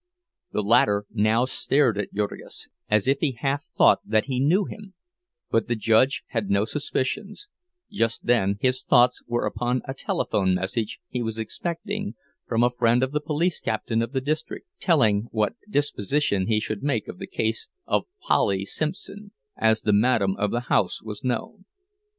The latter now stared at Jurgis, as if he half thought that he knew him; but the judge had no suspicions—just then his thoughts were upon a telephone message he was expecting from a friend of the police captain of the district, telling what disposition he should make of the case of "Polly" Simpson, as the "madame" of the house was known.